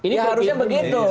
ya harusnya begitu